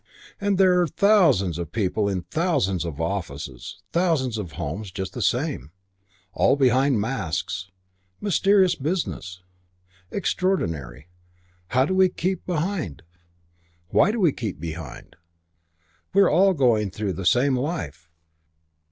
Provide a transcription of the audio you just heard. And there're thousands of people in thousands of offices ... thousands of homes ... just the same. All behind masks. Mysterious business. Extraordinary. How do we keep behind? Why do we keep behind? We're all going through the same life.